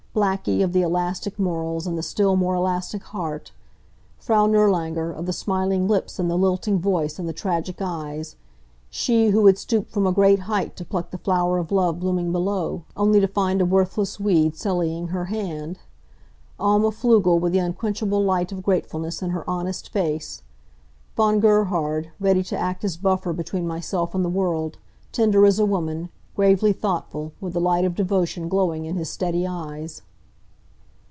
Blackie, of the elastic morals, and the still more elastic heart; Frau Nirlanger, of the smiling lips and the lilting voice and the tragic eyes she who had stooped from a great height to pluck the flower of love blooming below, only to find a worthless weed sullying her hand; Alma Pflugel, with the unquenchable light of gratefulness in her honest face; Von Gerhard, ready to act as buffer between myself and the world, tender as a woman, gravely thoughtful, with the light of devotion glowing in his steady eyes.